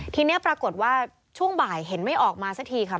ทีนี้ปรากฏว่าช่วงบ่ายเห็นไม่ออกมาสักทีค่ะ